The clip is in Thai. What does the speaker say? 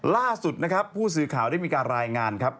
ล่าสุดนะครับผู้สื่อข่าวได้มีการรายงานครับ